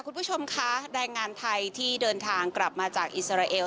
คุณผู้ชมคะแรงงานไทยที่เดินทางกลับมาจากอิสราเอล